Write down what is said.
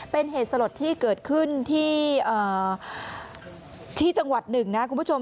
เป็นเหตุสลดที่เกิดขึ้นที่จังหวัดหนึ่งนะคุณผู้ชม